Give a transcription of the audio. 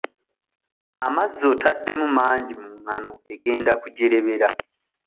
Amazzi otaddemu mangi mu ngano egenda kujerebera.